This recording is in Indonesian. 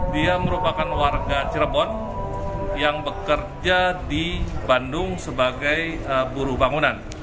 dia merupakan warga cirebon yang bekerja di bandung sebagai buruh bangunan